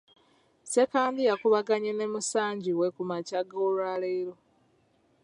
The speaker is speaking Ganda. Ssekandi yakubaganye ne musangi we ku makya g’olwaleero.